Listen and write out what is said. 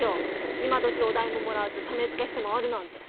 今どきお代ももらわず種付けして回るなんて。